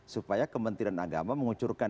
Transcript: supaya kementerian agama mengucurkan